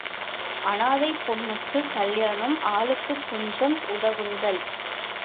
அநாதைப் பெண்ணுக்குக் கல்யாணம் ஆளுக்குக் கொஞ்சம் உதவுங்கள்.